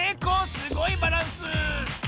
すごいバランス！